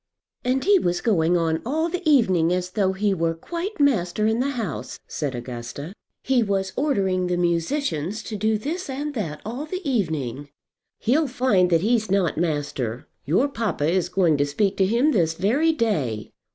"And he was going on all the evening as though he were quite master in the house," said Augusta. "He was ordering the musicians to do this and that all the evening." "He'll find that he's not master. Your papa is going to speak to him this very day."